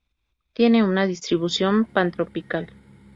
Tiene una distribución pantropical.